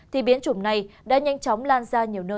thì biến chủng này đã nhanh chóng